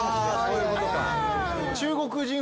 そういうことか。